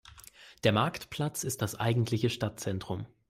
Der Marktplatz ist das eigentliche Stadtzentrum.